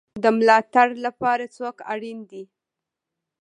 د ملاتړ لپاره څوک اړین دی؟